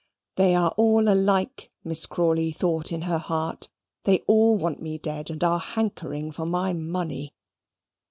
They are all alike, Miss Crawley thought in her heart. They all want me dead, and are hankering for my money.